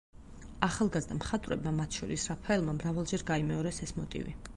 ახალგაზრდა მხატვრებმა, მათ შორის რაფაელმა, მრავალჯერ გაიმეორეს ეს მოტივი.